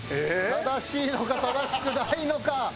正しいのか正しくないのか。